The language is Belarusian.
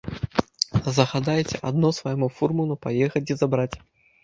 Загадайце адно свайму фурману паехаць і забраць.